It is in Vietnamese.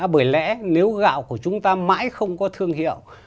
bởi lẽ nếu gạo của chúng ta mãi không có thương hiệu